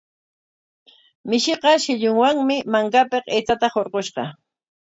Mishiqa shillunwami makapik aychata hurqushqa.